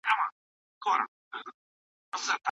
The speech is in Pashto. پټ په کوګل کي له انګاره سره لوبي کوي.